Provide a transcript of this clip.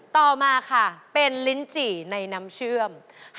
ต่อมาค่ะเป็นลิ้นจี่ในน้ำเชื่อม